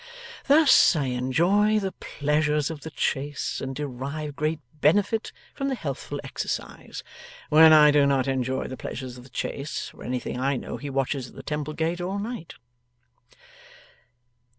Thus I enjoy the pleasures of the chase, and derive great benefit from the healthful exercise. When I do not enjoy the pleasures of the chase, for anything I know he watches at the Temple Gate all night.